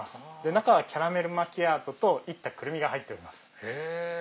中はキャラメルマキアートと煎ったクルミが入っております。